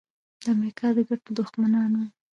د امریکا د ګټو دښمنان وو.